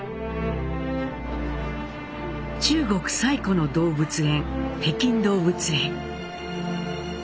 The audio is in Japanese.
中国最古の動物園北京動物園。